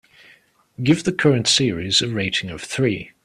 Give the current series a rating of three.